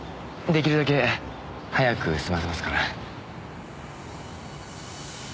出来るだけ早く済ませますから。